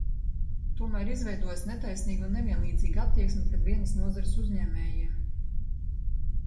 Tomēr izveidojas netaisnīga un nevienlīdzīga attieksme pret vienas nozares uzņēmējiem.